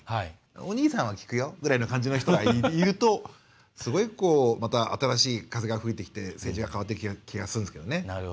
お兄さんは聞くよぐらいの人が言うとすごく新しい風が吹いてきて政治が変わってくる気がするんですけどね。